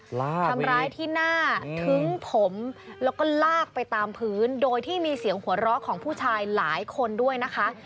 ลากทำร้ายที่หน้าทึ้งผมแล้วก็ลากไปตามพื้นโดยที่มีเสียงหัวเราะของผู้ชายหลายคนด้วยนะคะ